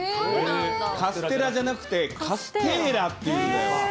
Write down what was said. カステラじゃなくて、カステーラっていうんだよ。